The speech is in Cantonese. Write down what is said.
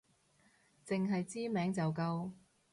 淨係知名就夠